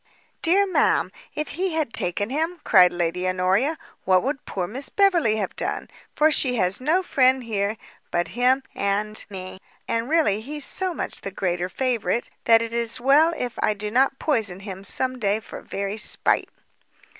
"Dear ma'am, if he had taken him," cried Lady Honoria, "what could poor Miss Beverley have done? for she has no friend here but him and me, and really he's so much the greater favourite, that it is well if I do not poison him some day for very spite."